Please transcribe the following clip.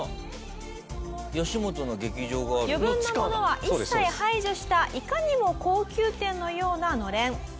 「余分なものは一切排除したいかにも高級店のようなのれん」